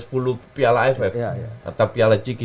sepuluh piala aff atau piala ciki